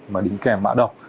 mà đính kèm mã độc